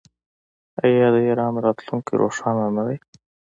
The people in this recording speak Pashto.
آیا د ایران راتلونکی روښانه نه دی؟